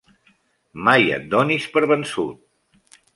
Mai et donis per vençut.